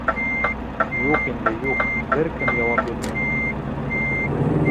Юҡ инде, юҡ, бер кем яуап бирмәй!